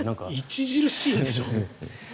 著しいでしょ？